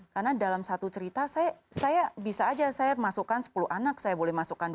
karena dalam satu cerita saya bisa saja saya masukkan sepuluh anak saya boleh masukkan dua puluh